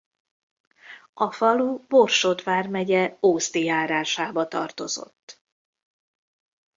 A falu Borsod vármegye Ózdi járásába tartozott.